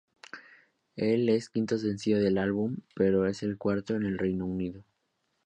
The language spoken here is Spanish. Es el quinto sencillo del álbum, pero es el cuarto en el Reino Unido.